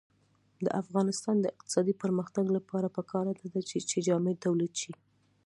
د افغانستان د اقتصادي پرمختګ لپاره پکار ده چې جامې تولید شي.